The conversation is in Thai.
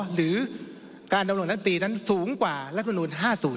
หรือการดำรงรัฐตีนั้นสูงกว่ารัฐมนุน๕๐